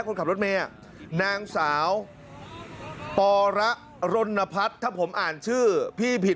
คนขับรถเมย์นางสาวปอระรณพัฒน์ถ้าผมอ่านชื่อพี่ผิด